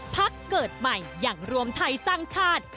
พักเกิดใหม่อย่างรวมไทยสร้างชาติ